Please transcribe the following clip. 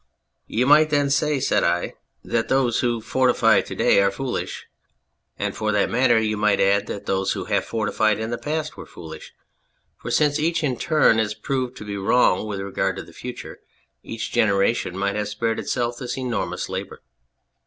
" You might then say," said I, " that those who 239 On Anything fortify to day are foolish ; and, for that matter, you might add that those who have fortified in the past were foolish. For since each in turn is proved to be wrong with regard to the future, each generation might have spared itself this enormous labour."